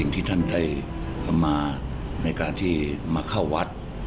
ที่ท่านได้เข้ามาในการที่มาเข้าวัด